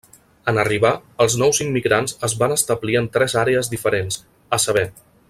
En arribar, els nous immigrants es van establir en tres àrees diferents, a saber.